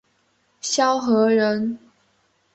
萧何人。